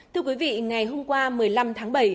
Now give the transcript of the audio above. thưa quý vị ngày hôm qua một mươi năm tháng bảy